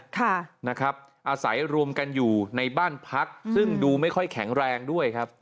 ค่ะนะครับอาศัยรวมกันอยู่ในบ้านพักซึ่งดูไม่ค่อยแข็งแรงด้วยครับ